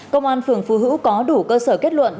công an phường phú hữu có đủ cơ sở kết luận